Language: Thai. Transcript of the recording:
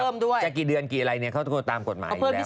แต่ต้องให้เพิ่มด้วยจะกี่เดือนกี่อะไรเนี่ยเขาต้องตามกฎหมายอยู่แล้ว